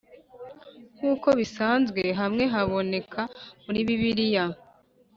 nkuko bisanzwe hamwe naboneka muri bibliya